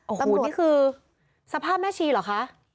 สมุดนี่คือสภาพแม่ชีเหรอคะ